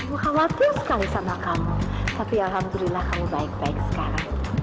aku khawatir sekali sama kamu tapi alhamdulillah kamu baik baik sekarang